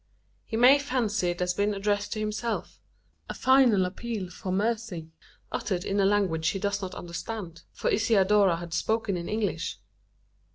He may fancy it has been addressed to himself a final appeal for mercy, uttered in a language he does not understand: for Isidora had spoken in English.